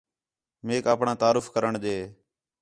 میک آپݨاں تعارف کرݨ ݙے